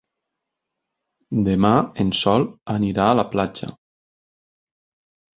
Demà en Sol anirà a la platja.